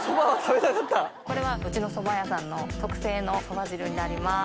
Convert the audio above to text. これはうちのそば屋さんの特製のそば汁になります。